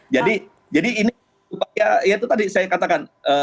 jadi jadi ini ya itu tadi saya katakan